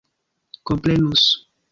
komprenus